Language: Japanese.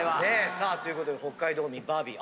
さあということで北海道民バービー。